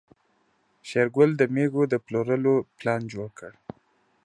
شېرګل د مېږو د پلورلو پلان جوړ کړ.